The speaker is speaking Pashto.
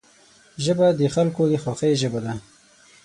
ژبه د خلکو د خوښۍ ژبه ده